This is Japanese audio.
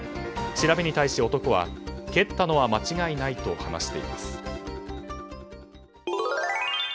調べに対し、男は蹴ったのは間違いないと話しています。